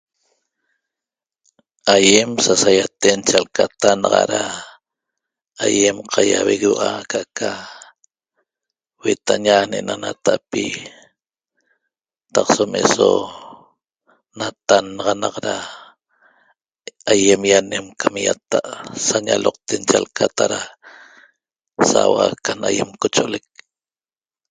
Aýem sasaýaten chalcata naxa da aýem qaýauegueua'a aca'aca huetaña ne'ena nata'pi taq som eso natannaxanaq da aýem ýanem cam ýata' sa ñaloqten chalcata da saua can aýem cocho'olec